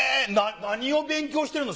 何を勉強してるの？